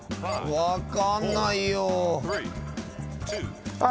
分かんないよ。